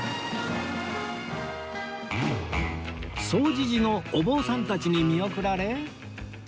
總持寺のお坊さんたちに見送られ